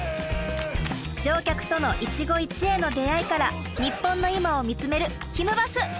乗客との一期一会の出会いから日本の今を見つめるひむバス！